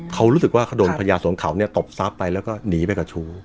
เขารู้สึกว่าเขาโดนพญาสวนเขาเนี่ยตบทรัพย์ไปแล้วก็หนีไปกับชู้